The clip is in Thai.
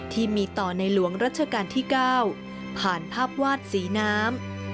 ที่มีต่อในหลวงรัชกาลที่๙ผ่านภาพวาดสีน้ำ